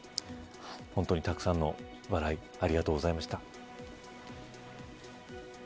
本当にたくさんの笑いありがとうございました。